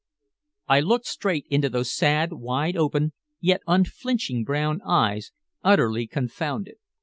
I looked straight into those sad, wide open, yet unflinching brown eyes utterly confounded.